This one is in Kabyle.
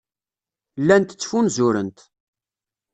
Llant ttfunzurent.